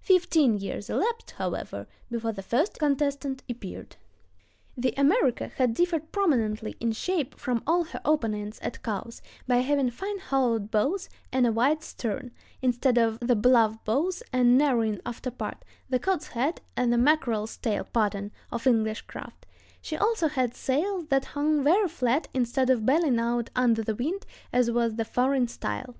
Fifteen years elapsed, however, before the first contestant appeared. The America had differed prominently in shape from all her opponents at Cowes, by having fine hollowed bows and a wide stern, instead of the bluff bows and narrowing after part—the "cod's head and mackerel's tail" pattern—of English craft; she also had sails that hung very flat instead of bellying out under the wind as was the foreign style.